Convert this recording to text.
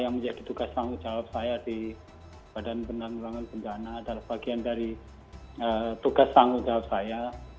yang menjadi tugas tanggung jawab saya di badan penanggulangan bencana adalah bagian dari tugas tanggung jawab saya